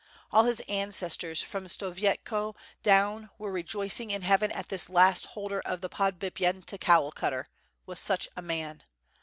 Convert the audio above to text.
All his ancestors from Stoveyko down were rejoicing in heaven at this last holder of the Podbipyenta Cowl Cutter, was such a man.